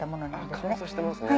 乾燥してますね。